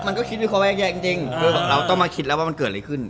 มันก็คิดวิเคราะห์แยกแยะจริงคือเราต้องมาคิดแล้วว่ามันเกิดอะไรขึ้น